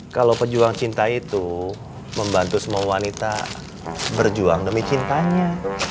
kalau pejuang cinta itu membantu semua wanita berjuang demi cintanya